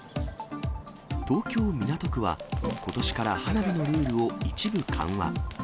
東京・港区は、ことしから花火のルールを一部緩和。